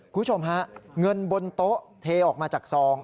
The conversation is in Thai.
คุณผู้ชมฮะเงินบนโต๊ะเทออกมาจากซอง